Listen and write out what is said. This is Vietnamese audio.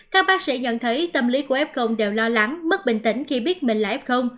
các bác sĩ nhận thấy tâm lý của f công đều lo lắng mất bình tĩnh khi biết mình là f